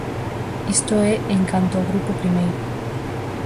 Isto é en canto ao grupo primeiro.